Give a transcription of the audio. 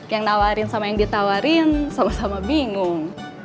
yang menawarkan sama yang ditawarkan sama sama bingung